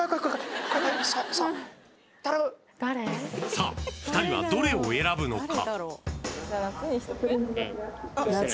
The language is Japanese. さあ２人はどれを選ぶのか？